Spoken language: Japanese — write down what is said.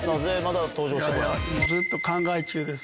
ずっと考え中です。